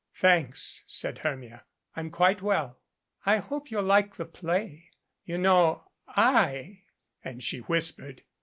"Thanks," said Hermia. "I'm quite well." "I hope you'll like the play, you know I " and she ^hispered.